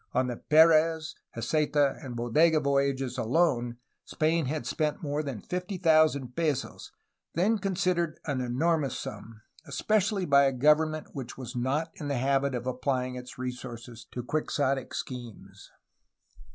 On the P^rez, Heceta, and Bodega voyages alone Spain had spent more than 50,000 pesos, then considered an enormous sum, es pecially by a government which was not in the habit of applying its resources to Quixotic schemes.